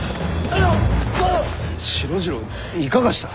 四郎次郎いかがした？